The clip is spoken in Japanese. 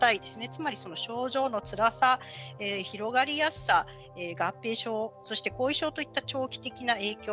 つまり症状のつらさ広がりやすさ合併症そして後遺症といった長期的な影響